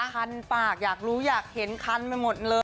คันปากอยากรู้อยากเห็นคันไปหมดเลย